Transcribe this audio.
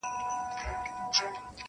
• یو څو ورځي یې لا ووهل زورونه -